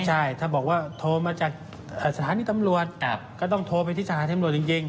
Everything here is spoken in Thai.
ใช่ถ้าบอกว่าโทรมาจากสถานีตำรวจก็ต้องโทรไปที่สถานีตำรวจจริง